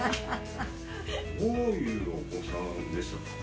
どういうお子さんでしたか？